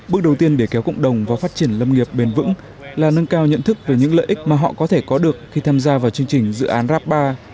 bước đầu tiên để kéo cộng đồng vào phát triển lâm nghiệp bền vững là nâng cao nhận thức về những lợi ích mà họ có thể có được khi tham gia vào chương trình dự án rapba